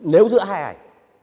nếu giữa hai ảnh